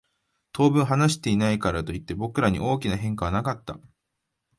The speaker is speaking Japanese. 当分話していないからといって、僕らに大きな変化はなかった。